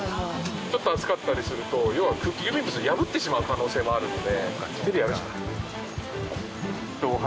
ちょっと厚かったりすると要は郵便物を破ってしまう可能性もあるので。